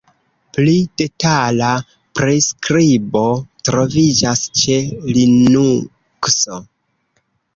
Pli detala priskribo troviĝas ĉe Linukso.